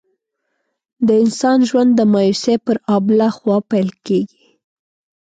د انسان ژوند د مایوسۍ پر آبله خوا پیل کېږي.